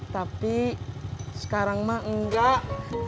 tapi sekarang ma enggak